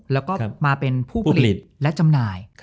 แล้วก็มาเป็นผู้ผลิตและจำหน่าย